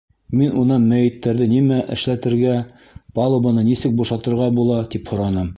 Мин унан мәйеттәрҙе нимә эшләтергә, палубаны нисек бушатырға була, тип һораным.